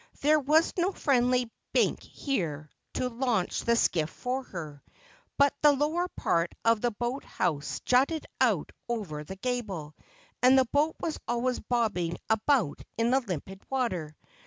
There was no friendly Bink here to launch the skiff for her, but the lower part of the boat house jutted out over the gable, and the boat was always bobbing about in the limpid water.